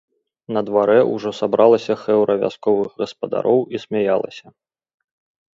На дварэ ўжо сабралася хэўра вясковых гаспадароў і смяялася.